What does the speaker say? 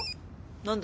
何だ？